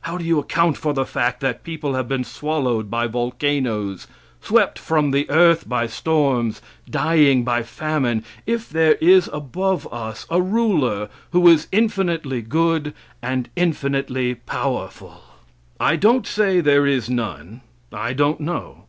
How do you account for the fact that people have been swallowed by volcanoes, swept from the earth by storms, dying by famine, if there is above us a ruler who is infinitely good and infinitely powerful? I don't say there is none. I don't know.